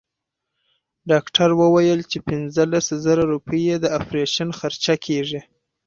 ډاکټر وويل چې پنځلس زره روپۍ يې د اپرېشن خرچه کيږي.